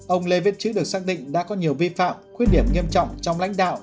ông lê viết chữ được xác định đã có nhiều vi phạm khuyết điểm nghiêm trọng trong lãnh đạo